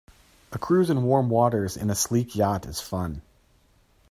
A cruise in warm waters in a sleek yacht is fun.